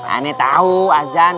aneh tahu azan